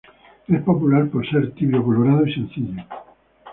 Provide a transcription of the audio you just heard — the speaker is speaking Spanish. Es popular por ser tibio, colorado y sencillo.